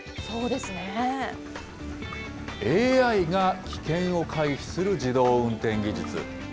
ＡＩが危険を回避する自動運転技術。